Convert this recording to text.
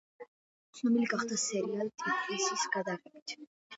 ცნობილი გახდა სერიალ „ტიფლისის“ გადაღებით.